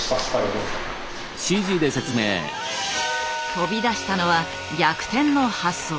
飛び出したのは逆転の発想。